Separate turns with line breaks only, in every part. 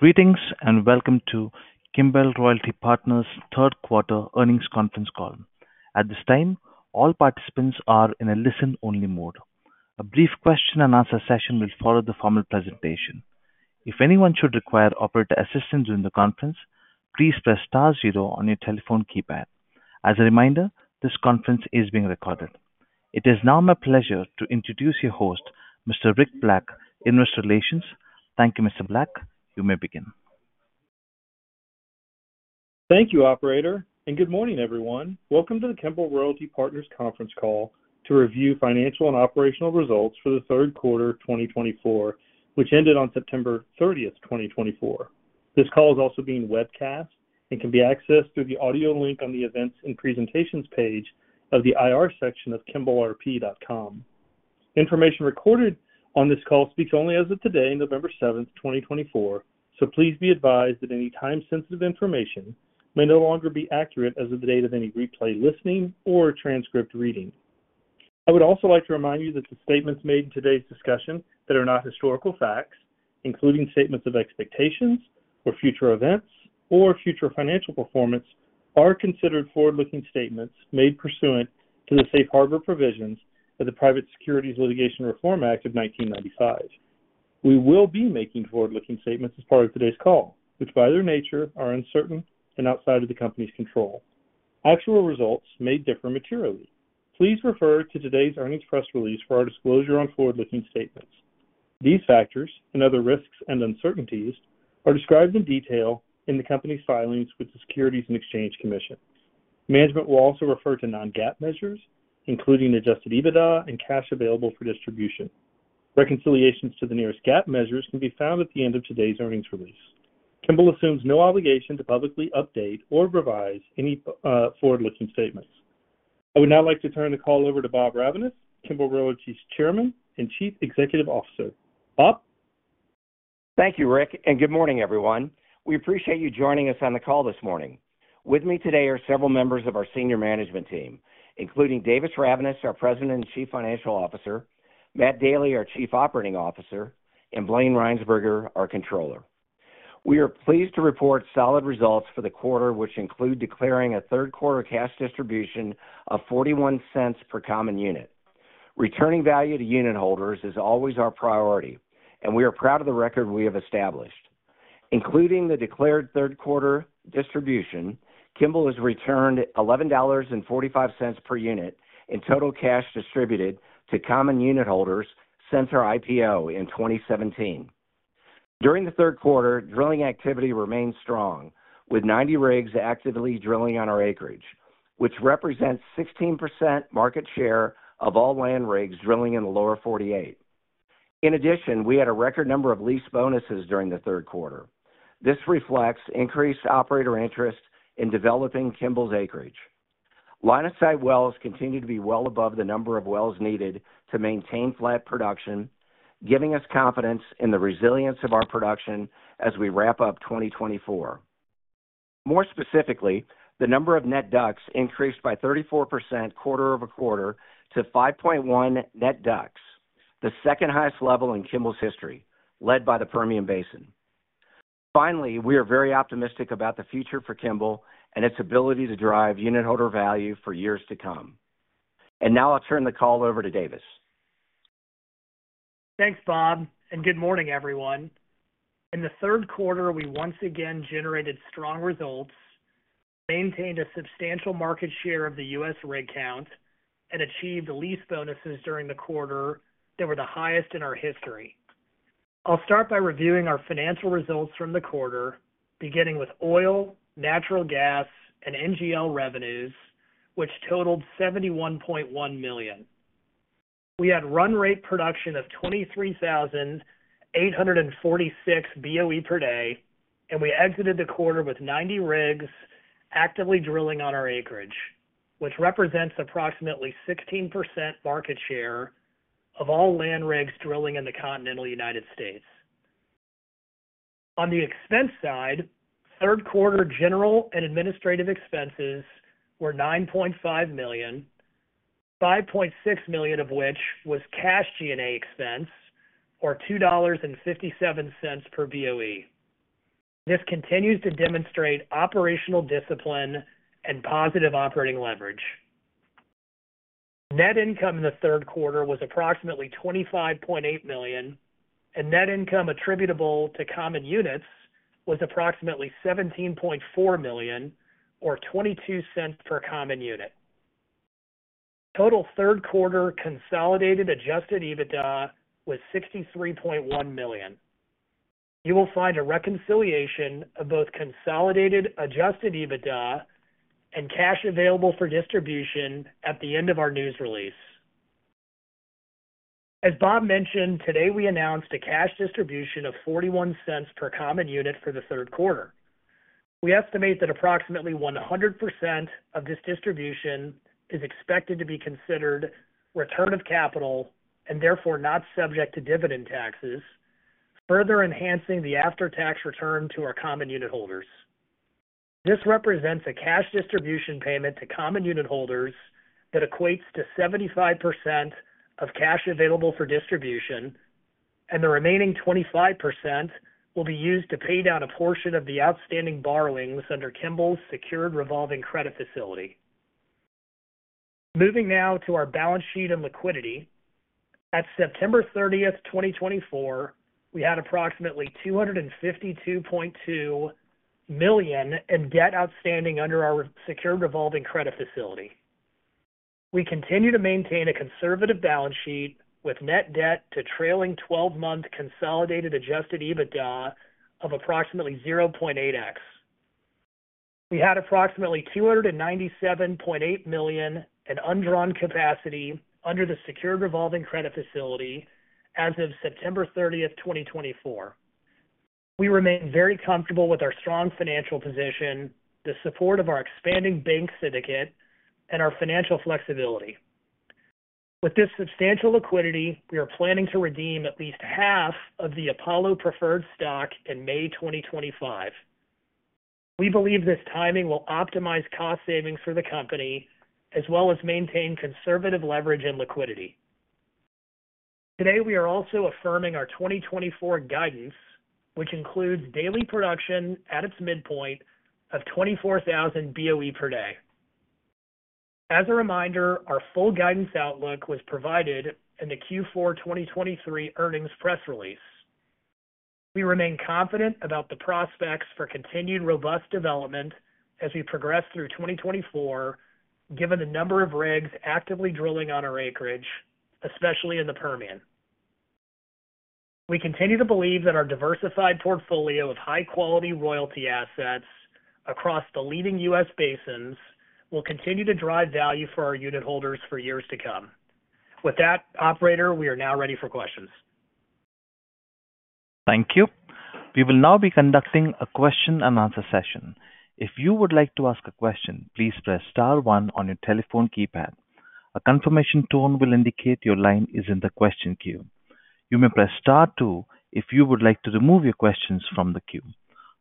Greetings and welcome to Kimbell Royalty Partners' third quarter earnings conference call. At this time, all participants are in a listen-only mode. A brief question-and-answer session will follow the formal presentation. If anyone should require operator assistance during the conference, please press star zero on your telephone keypad. As a reminder, this conference is being recorded. It is now my pleasure to introduce your host, Mr. Rick Black, Investor Relations. Thank you, Mr. Black. You may begin.
Thank you, Operator, and good morning, everyone. Welcome to the Kimbell Royalty Partners conference call to review financial and operational results for the third quarter of 2024, which ended on September 30th, 2024. This call is also being webcast and can be accessed through the audio link on the events and presentations page of the IR section of kimbellrp.com. Information recorded on this call speaks only as of today, November 7th, 2024. So please be advised that any time-sensitive information may no longer be accurate as of the date of any replay listening or transcript reading. I would also like to remind you that the statements made in today's discussion that are not historical facts, including statements of expectations for future events or future financial performance, are considered forward-looking statements made pursuant to the safe harbor provisions of the Private Securities Litigation Reform Act of 1995. We will be making forward-looking statements as part of today's call, which by their nature are uncertain and outside of the company's control. Actual results may differ materially. Please refer to today's earnings press release for our disclosure on forward-looking statements. These factors and other risks and uncertainties are described in detail in the company's filings with the Securities and Exchange Commission. Management will also refer to Non-GAAP measures, including Adjusted EBITDA and cash available for distribution. Reconciliations to the nearest GAAP measures can be found at the end of today's earnings release. Kimbell assumes no obligation to publicly update or revise any forward-looking statements. I would now like to turn the call over to Bob Ravnaas, Kimbell Royalty's Chairman and Chief Executive Officer. Bob.
Thank you, Rick. And good morning, everyone. We appreciate you joining us on the call this morning. With me today are several members of our senior management team, including Davis Ravnaas, our President and Chief Financial Officer, Matt Daly, our Chief Operating Officer, and Blaine Rhynsburger, our Controller. We are pleased to report solid results for the quarter, which include declaring a third-quarter cash distribution of $0.41 per common unit. Returning value to unitholders is always our priority, and we are proud of the record we have established. Including the declared third-quarter distribution, Kimbell has returned $11.45 per unit in total cash distributed to common unitholders since our IPO in 2017. During the third quarter, drilling activity remained strong, with 90 rigs actively drilling on our acreage, which represents 16% market share of all land rigs drilling in the Lower 48. In addition, we had a record number of lease bonuses during the third quarter. This reflects increased operator interest in developing Kimbell's acreage. Line of sight wells continue to be well above the number of wells needed to maintain flat production, giving us confidence in the resilience of our production as we wrap up 2024. More specifically, the number of net DUCs increased by 34% quarter-over-quarter to 5.1 net DUCs, the second highest level in Kimbell's history, led by the Permian Basin. Finally, we are very optimistic about the future for Kimbell and its ability to drive unitholder value for years to come, and now I'll turn the call over to Davis.
Thanks, Bob. And good morning, everyone. In the third quarter, we once again generated strong results, maintained a substantial market share of the U.S. rig count, and achieved lease bonuses during the quarter that were the highest in our history. I'll start by reviewing our financial results from the quarter, beginning with oil, natural gas, and NGL revenues, which totaled $71.1 million. We had run rate production of 23,846 BOE per day, and we exited the quarter with 90 rigs actively drilling on our acreage, which represents approximately 16% market share of all land rigs drilling in the Continental United States. On the expense side, third quarter general and administrative expenses were $9.5 million, $5.6 million of which was cash G&A expense, or $2.57 per BOE. This continues to demonstrate operational discipline and positive operating leverage. Net income in the third quarter was approximately $25.8 million, and net income attributable to common units was approximately $17.4 million, or $0.22 per common unit. Total third quarter consolidated Adjusted EBITDA was $63.1 million. You will find a reconciliation of both consolidated Adjusted EBITDA and cash available for distribution at the end of our news release. As Bob mentioned, today we announced a cash distribution of $0.41 per common unit for the third quarter. We estimate that approximately 100% of this distribution is expected to be considered return of capital and therefore not subject to dividend taxes, further enhancing the after-tax return to our common unitholders. This represents a cash distribution payment to common unitholders that equates to 75% of cash available for distribution, and the remaining 25% will be used to pay down a portion of the outstanding borrowings under Kimbell's secured revolving credit facility. Moving now to our balance sheet and liquidity. At September 30th, 2024, we had approximately $252.2 million in debt outstanding under our secured revolving credit facility. We continue to maintain a conservative balance sheet with net debt to trailing 12-month consolidated Adjusted EBITDA of approximately 0.8x. We had approximately $297.8 million in undrawn capacity under the secured revolving credit facility as of September 30th, 2024. We remain very comfortable with our strong financial position, the support of our expanding bank syndicate, and our financial flexibility. With this substantial liquidity, we are planning to redeem at least half of the Apollo preferred stock in May 2025. We believe this timing will optimize cost savings for the company as well as maintain conservative leverage and liquidity. Today, we are also affirming our 2024 guidance, which includes daily production at its midpoint of 24,000 BOE per day. As a reminder, our full guidance outlook was provided in the Q4 2023 earnings press release. We remain confident about the prospects for continued robust development as we progress through 2024, given the number of rigs actively drilling on our acreage, especially in the Permian. We continue to believe that our diversified portfolio of high-quality royalty assets across the leading U.S. basins will continue to drive value for our unitholders for years to come. With that, Operator, we are now ready for questions.
Thank you. We will now be conducting a question-and-answer session. If you would like to ask a question, please press star one on your telephone keypad. A confirmation tone will indicate your line is in the question queue. You may press star two if you would like to remove your questions from the queue.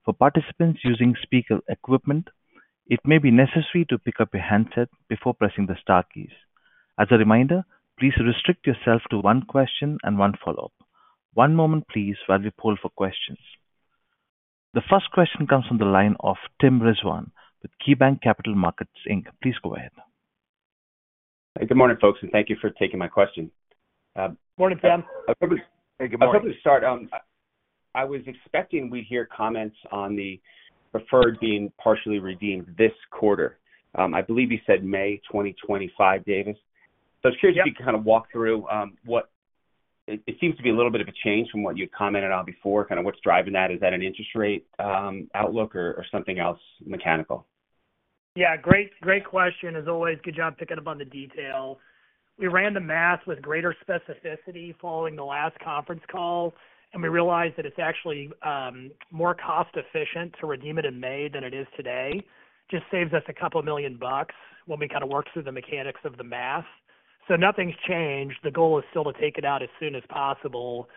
For participants using speaker equipment, it may be necessary to pick up your handset before pressing the star keys. As a reminder, please restrict yourself to one question and one follow-up. One moment, please, while we poll for questions. The first question comes from the line of Tim Rezvan with KeyBanc Capital Markets Inc. Please go ahead.
Good morning, folks, and thank you for taking my question.
Morning, Tim.
Good morning.
I was hoping to start. I was expecting we'd hear comments on the preferred being partially redeemed this quarter. I believe you said May 2025, Davis. So I was curious if you could kind of walk through what it seems to be a little bit of a change from what you had commented on before. Kind of what's driving that? Is that an interest rate outlook or something else mechanical?
Yeah, great question. As always, good job picking up on the detail. We ran the math with greater specificity following the last conference call, and we realized that it's actually more cost-efficient to redeem it in May than it is today. Just saves us a couple of million bucks when we kind of work through the mechanics of the math. So nothing's changed. The goal is still to take it out as soon as possible.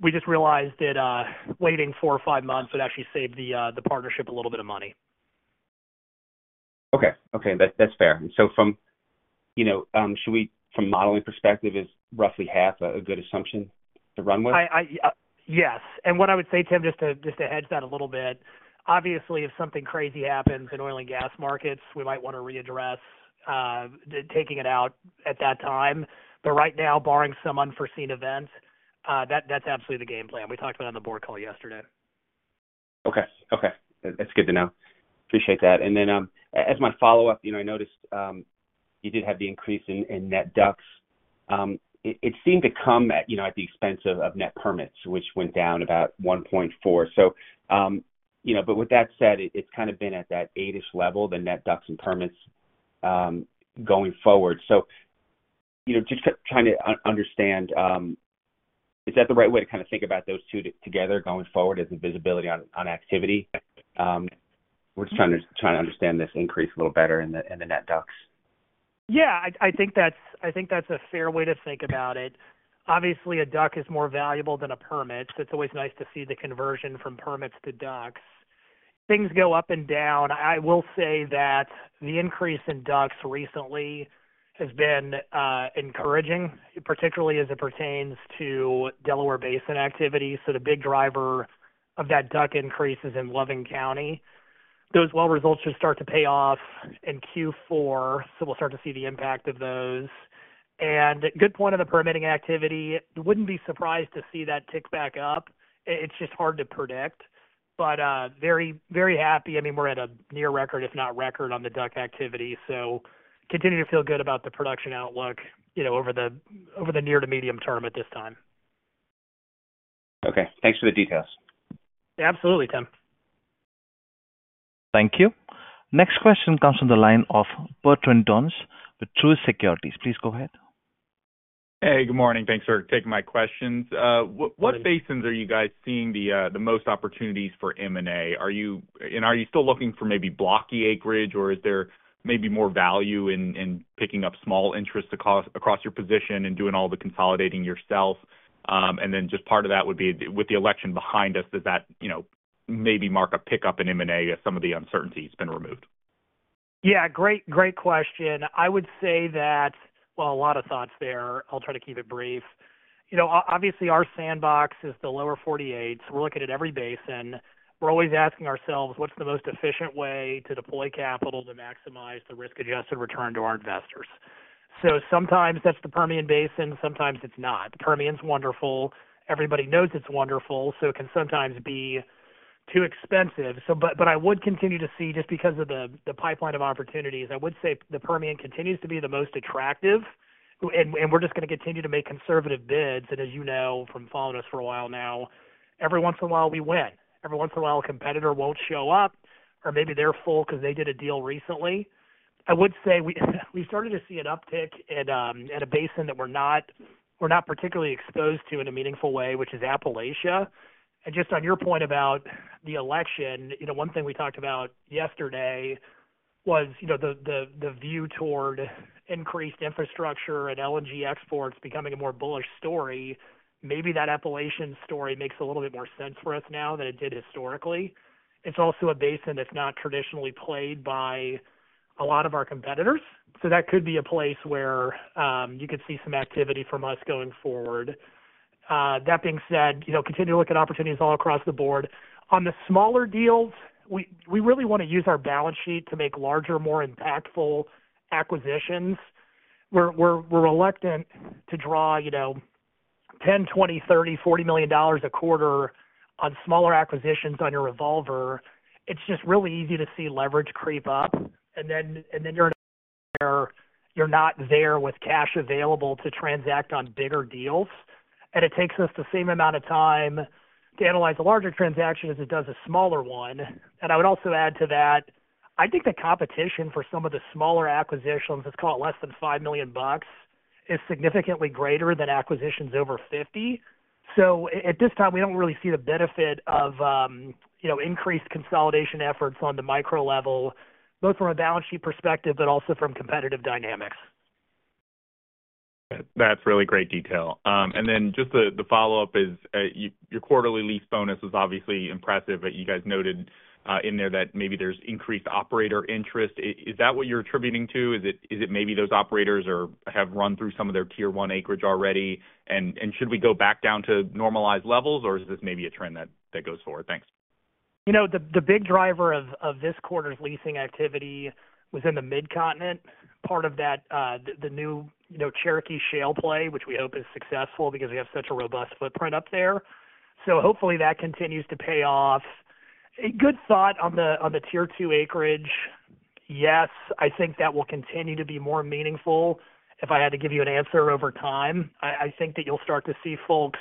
We just realized that waiting four or five months would actually save the partnership a little bit of money.
Okay. Okay. That's fair. So from a modeling perspective, is roughly half a good assumption to run with?
Yes, and what I would say, Tim, just to hedge that a little bit, obviously, if something crazy happens in oil and gas markets, we might want to readdress taking it out at that time. But right now, barring some unforeseen events, that's absolutely the game plan. We talked about it on the board call yesterday.
Okay. Okay. That's good to know. Appreciate that. And then as my follow-up, I noticed you did have the increase in net DUCs. It seemed to come at the expense of net permits, which went down about 1.4. But with that said, it's kind of been at that eight-ish level, the net DUCs and permits going forward. So just trying to understand, is that the right way to kind of think about those two together going forward as a visibility on activity? We're just trying to understand this increase a little better in the net DUCs.
Yeah. I think that's a fair way to think about it. Obviously, a DUC is more valuable than a permit. It's always nice to see the conversion from permits to DUCs. Things go up and down. I will say that the increase in DUCs recently has been encouraging, particularly as it pertains to Delaware Basin activity. So the big driver of that DUC increase is in Loving County. Those well results just start to pay off in Q4, so we'll start to see the impact of those, and good point on the permitting activity. Wouldn't be surprised to see that tick back up. It's just hard to predict, but very happy. I mean, we're at a near record, if not record, on the DUC activity, so continue to feel good about the production outlook over the near to medium term at this time.
Okay. Thanks for the details.
Absolutely, Tim.
Thank you. Next question comes from the line of Bertrand Donnes with Truist Securities. Please go ahead.
Hey, good morning. Thanks for taking my questions. What basins are you guys seeing the most opportunities for M&A? And are you still looking for maybe blocky acreage, or is there maybe more value in picking up small interest across your position and doing all the consolidating yourself? And then just part of that would be, with the election behind us, does that maybe mark a pickup in M&A as some of the uncertainty has been removed?
Yeah. Great question. I would say that, well, a lot of thoughts there. I'll try to keep it brief. Obviously, our sandbox is the Lower 48. So we're looking at every basin. We're always asking ourselves, what's the most efficient way to deploy capital to maximize the risk-adjusted return to our investors? So sometimes that's the Permian Basin. Sometimes it's not. The Permian's wonderful. Everybody knows it's wonderful. So it can sometimes be too expensive. But I would continue to see, just because of the pipeline of opportunities, I would say the Permian continues to be the most attractive. And we're just going to continue to make conservative bids. And as you know from following us for a while now, every once in a while, we win. Every once in a while, a competitor won't show up, or maybe they're full because they did a deal recently. I would say we started to see an uptick in a basin that we're not particularly exposed to in a meaningful way, which is Appalachia, and just on your point about the election, one thing we talked about yesterday was the view toward increased infrastructure and LNG exports becoming a more bullish story. Maybe that Appalachian story makes a little bit more sense for us now than it did historically. It's also a basin that's not traditionally played by a lot of our competitors. So that could be a place where you could see some activity from us going forward. That being said, continue to look at opportunities all across the board. On the smaller deals, we really want to use our balance sheet to make larger, more impactful acquisitions. We're reluctant to draw $10 million-$40 million a quarter on smaller acquisitions on your revolver. It's just really easy to see leverage creep up, and then you're not there with cash available to transact on bigger deals. And it takes us the same amount of time to analyze a larger transaction as it does a smaller one. And I would also add to that, I think the competition for some of the smaller acquisitions, let's call it less than $5 million bucks, is significantly greater than acquisitions over $50. So at this time, we don't really see the benefit of increased consolidation efforts on the micro level, both from a balance sheet perspective, but also from competitive dynamics.
That's really great detail. And then just the follow-up is your quarterly lease bonus is obviously impressive, but you guys noted in there that maybe there's increased operator interest. Is that what you're attributing to? Is it maybe those operators have run through some of their Tier one acreage already? And should we go back down to normalized levels, or is this maybe a trend that goes forward? Thanks.
The big driver of this quarter's leasing activity was in the Mid-Continent. Part of that, the new Cherokee Shale play, which we hope is successful because we have such a robust footprint up there, so hopefully that continues to pay off. A good thought on the tier two acreage. Yes, I think that will continue to be more meaningful. If I had to give you an answer over time, I think that you'll start to see folks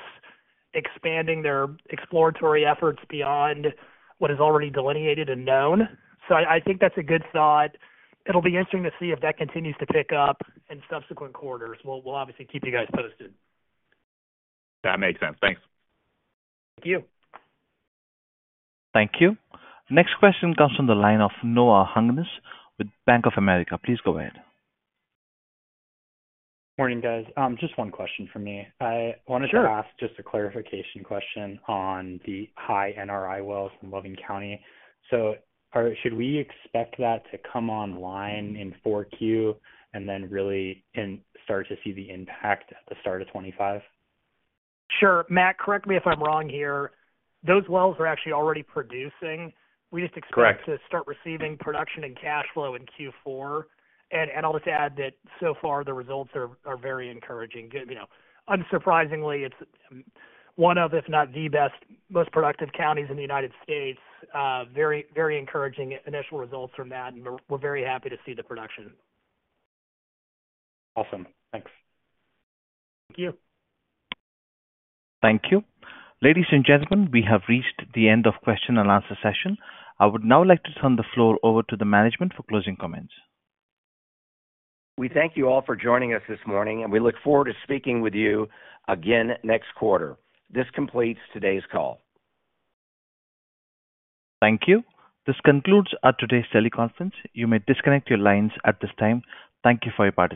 expanding their exploratory efforts beyond what is already delineated and known, so I think that's a good thought. It'll be interesting to see if that continues to pick up in subsequent quarters. We'll obviously keep you guys posted.
That makes sense. Thanks.
Thank you.
Thank you. Next question comes from the line of Noah Hungness with Bank of America. Please go ahead.
Morning, guys. Just one question for me. I wanted to ask just a clarification question on the high NRI wells in Loving County. So should we expect that to come online in 4Q and then really start to see the impact at the start of 2025?
Sure. Matt, correct me if I'm wrong here. Those wells are actually already producing. We just expect to start receiving production and cash flow in Q4, and I'll just add that so far, the results are very encouraging. Unsurprisingly, it's one of, if not the best, most productive counties in the United States. Very encouraging initial results from that. We're very happy to see the production.
Awesome. Thanks.
Thank you.
Thank you. Ladies and gentlemen, we have reached the end of the question-and-answer session. I would now like to turn the floor over to the management for closing comments.
We thank you all for joining us this morning, and we look forward to speaking with you again next quarter. This completes today's call.
Thank you. This concludes today's teleconference. You may disconnect your lines at this time. Thank you for your participation.